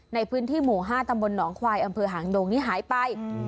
ในพื้นที่หมู่๕ตำบลหนองควายอำเภอหางดงนี้หายไป